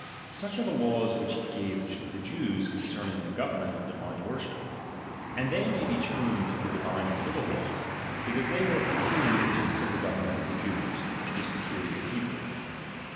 Such are the laws which he gave to the Jews concerning their government and divine worship; and they may be termed the divine civil laws, because they were peculiar to the civil government of the Jews, his peculiar people.